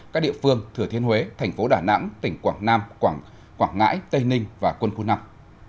các địa phương thừa thiên huế thành phố đà nẵng tỉnh quảng nam quảng ngãi tây ninh và quân khu năm